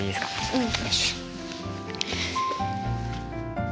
うん。